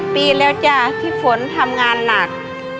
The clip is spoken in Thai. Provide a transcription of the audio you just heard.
ปีแล้วจ้ะที่ฝนทำงานหนัก